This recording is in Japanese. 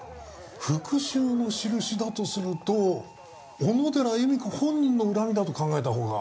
復讐の印だとすると小野寺由美子本人の恨みだと考えたほうが自然だよな。